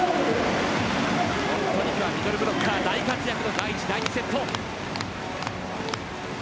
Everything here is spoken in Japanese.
今日はミドルブロッカー大活躍の第１、第２セット。